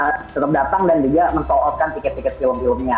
tetap datang dan juga men sall out kan tiket tiket film filmnya